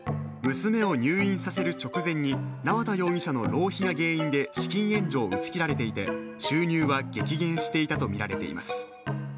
娘を入院させる直前に縄田容疑者の浪費が原因で資金援助を打ち切られていて収入は激減していたとみられています。